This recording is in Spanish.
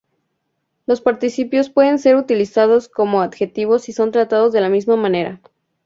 Los participios pueden ser utilizados como adjetivos y son tratados de la misma manera.